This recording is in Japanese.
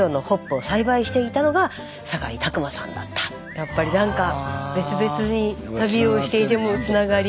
やっぱり何か別々に旅をしていてもつながり。